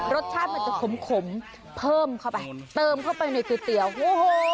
รสชาติมันจะขมขมเพิ่มเข้าไปเติมเข้าไปในก๋วยเตี๋ยวโอ้โห